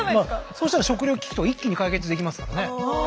そしたら食糧危機とか一気に解決できますからね。